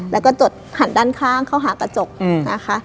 แล้วก็จดหันด้านข้างเข้าหากระจกนะคะ